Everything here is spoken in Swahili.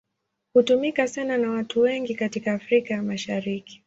Hutumika sana na watu wengi katika Afrika ya Mashariki.